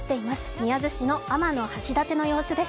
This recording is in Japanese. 宮津市の天橋立の様子です。